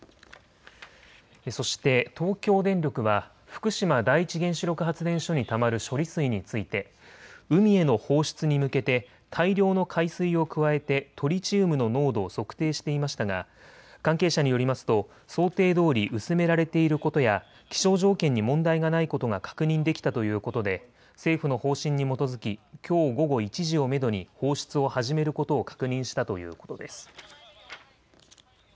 そして東京電力は福島第一原子力発電所にたまる処理水について海への放出に向けて大量の海水を加えてトリチウムの濃度を測定していましたが関係者によりますと想定どおり薄められていることや気象条件に問題がないことが確認できたということで政府の方針に基づききょう午後１時をめどに放出を始めることを確認したということです。